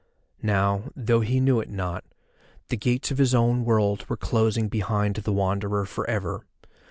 Now, though he knew it not, the gates of his own world were closing behind the Wanderer for ever.